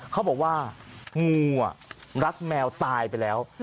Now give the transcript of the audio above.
เขาบอกว่างูรักแมวตายไปแล้ว